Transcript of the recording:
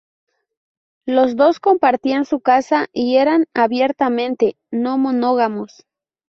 Los dos compartían su casa y eran abiertamente no monógamos.